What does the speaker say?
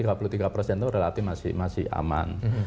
iya jadi tiga puluh tiga itu relatif masih aman